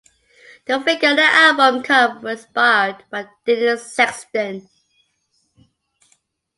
The figure on the album cover was inspired by Denise Sexton.